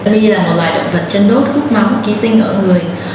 mi là một loài động vật chân đốt hút máu ký sinh ở người